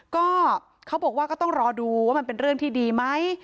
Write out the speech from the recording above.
ก็เขาบอกว่าก็ต้องรอดูว่ามันเป็นเรื่องที่ดีไหม